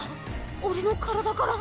俺の体から。